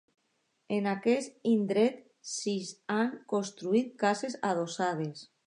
En aquest indret s'hi han construït cases adossades.